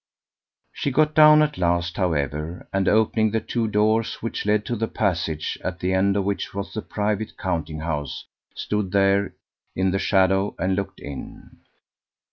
She got down at last, however, and opening the two doors which led to the passage, at the end of which was the private counting house, stood there in the shadow and looked in.